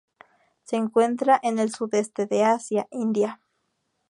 Se encuentra en el sudeste de Asia, India.